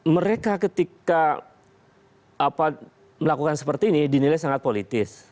mereka ketika melakukan seperti ini dinilai sangat politis